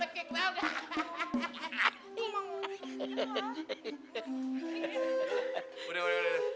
ketekik tau gak